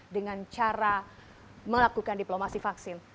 dengan cara melakukan diplomasi vaksin